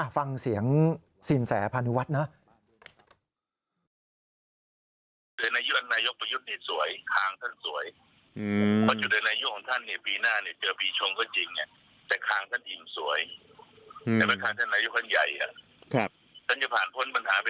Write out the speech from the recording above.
ฟังเสียงสินแสพาณิวัฒน์นะ